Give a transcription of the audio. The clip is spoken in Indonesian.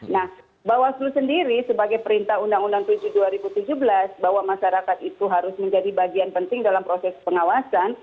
nah bawaslu sendiri sebagai perintah undang undang tujuh dua ribu tujuh belas bahwa masyarakat itu harus menjadi bagian penting dalam proses pengawasan